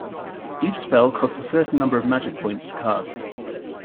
Each spell costs a certain number of magic points to cast.